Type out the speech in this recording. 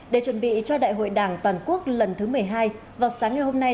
để chuẩn bị cho đại hội đảng toàn quốc lần thứ một mươi hai vào sáng ngày hôm nay